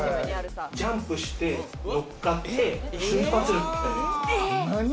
ジャンプして乗っかって、瞬発力を鍛える。